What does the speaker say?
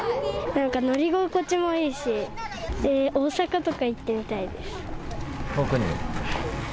なんか乗り心地もいいし大阪とか行ってみたいです。